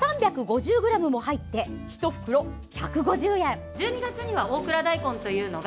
３５０ｇも入って１袋１５０円。